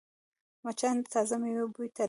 مچان د تازه میوو بوی ته راځي